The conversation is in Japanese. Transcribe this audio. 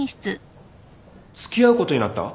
付き合うことになった？